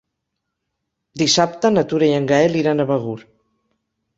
Dissabte na Tura i en Gaël iran a Begur.